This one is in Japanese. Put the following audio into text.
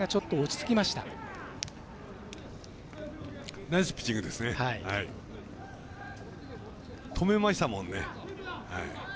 止めましたもんね。